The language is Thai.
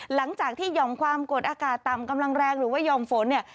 หลังจากที่ย่อมความโกรธอากาศตามกำลังแรงหรือว่าย่อมฝน